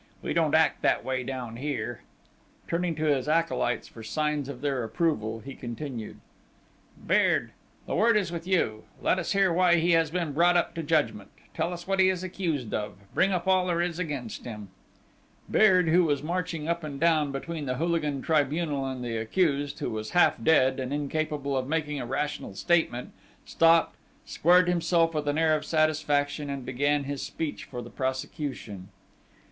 We don't act that way down here!" Turning to his acolytes for signs of their approval, he continued: "Beard! The word is with you! Let us hear why he has been brought up to judgment!... Tell us what he is accused of!... Bring up all there is against him!" Beard, who was marching up and down between the hooligan tribunal and the accused, who was half dead, and incapable of making a rational statement, stopped, squared himself with an air of satisfaction, and began his speech for the prosecution.